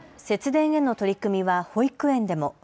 節電への取り組みは保育園でも。